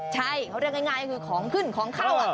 ใช่เขาเรียกง่ายคือของขึ้นของเข้า